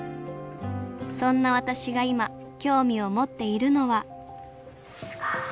そんな私が今興味を持っているのはすごい。